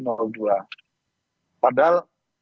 padahal menurut saya belum belum belum